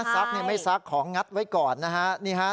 ซักไม่ซักของงัดไว้ก่อนนะฮะ